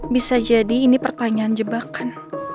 bisa jadi ini pertanyaan jebakan